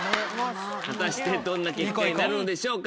果たしてどんな結果になるのでしょうか。